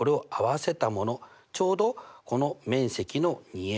ちょうどこの面積の２。